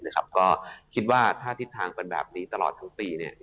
ก็คิดว่าถ้าทิศทางเป็นแบบนี้ตลอดทั้งปี